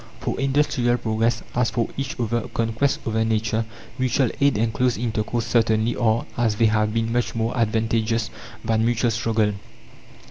For industrial progress, as for each other conquest over nature, mutual aid and close intercourse certainly are, as they have been, much more advantageous than mutual struggle.